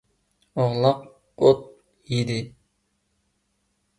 ئوغلاق ئوت يېدى.